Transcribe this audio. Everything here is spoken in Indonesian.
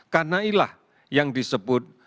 karena ialah yang disebut